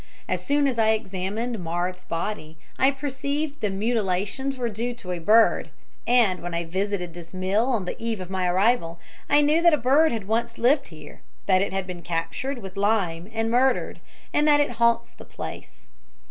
As soon as I examined Marthe's body, I perceived the mutilations were due to a bird; and when I visited this mill on the eve of my arrival, I knew that a bird had once lived here; that it had been captured with lime and murdered, and that it haunted the place."